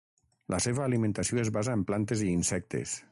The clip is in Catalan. La seva alimentació es basa en plantes i insectes.